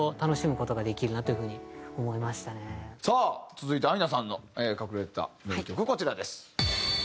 続いてアイナさんの隠れた名曲はこちらです。